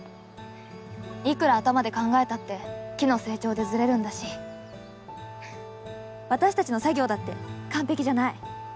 いくら頭で考えたって木の成長でズレるんだし私たちの作業だって完璧じゃない。